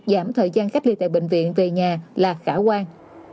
giảm thời gian cách ly tại bệnh viện về nhà là khả quan